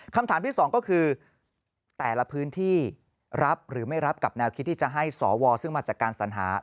คำถามที่สองก็คือแต่ละพื้นที่รับหรือไม่รับกับแนวคิดที่จะให้สวซึ่งมาจากการสัญหา